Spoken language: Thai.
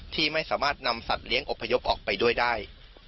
ที่ไม่สามารถนำสัตว์เลี้ยอบพยพออกไปด้วยได้